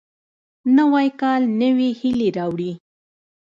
نوی کال نوې هیلې راوړي